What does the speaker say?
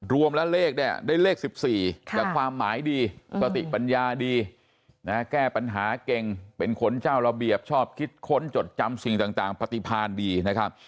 รวมแล้วเลขเนี่ยได้เลข๑๔แต่ความหมายดีสติปัญญาดีนะแก้ปัญหาเก่งเป็นคนเจ้าระเบียบชอบคิดค้นจดจำสิ่งต่างปฏิพันธ์ดีนะครับ